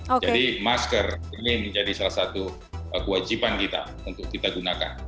masker ini menjadi salah satu kewajiban kita untuk kita gunakan